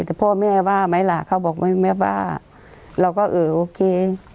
แต่พ่อแม่บ้าไหมล่ะเขาบอกไม่แม่บ้าเราก็เออโอเค